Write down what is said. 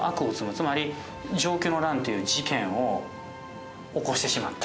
つまり承久の乱っていう事件を起こしてしまった。